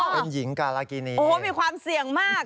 เป็นหญิงการากินีโอ้โหมีความเสี่ยงมาก